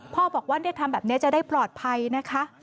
พ่อบอกว่าทำแบบนี้จะได้ปลอดภัยนะคะ